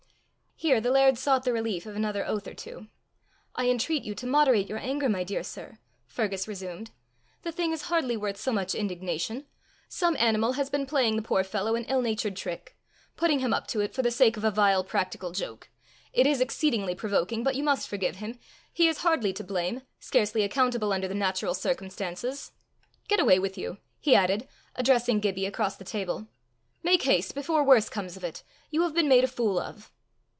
Here the laird sought the relief of another oath or two. "I entreat you to moderate your anger, my dear sir," Fergus resumed. "The thing is hardly worth so much indignation. Some animal has been playing the poor fellow an ill natured trick putting him up to it for the sake of a vile practical joke. It is exceedingly provoking, but you must forgive him. He is hardly to blame, scarcely accountable, under the natural circumstances. Get away with you," he added, addressing Gibbie across the table. "Make haste before worse comes of it. You have been made a fool of."